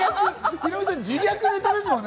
ヒロミさん、自虐ネタですよね！